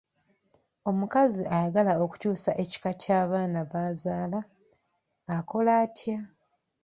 Omukazi ayagala okukyusa ekika ky'abaana b'azaala akola atya?